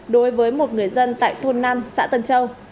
đối với một người dân tại thôn năm xã tân châu